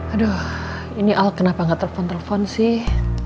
aduh ini al kenapa gak telepon telepon sih